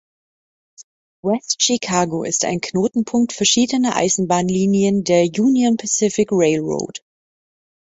West Chicago ist ein Knotenpunkt verschiedener Eisenbahnlinien der Union Pacific Railroad.